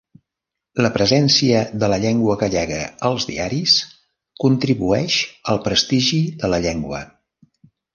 La presència de la llengua gallega als diaris contribueix al prestigi de la llengua.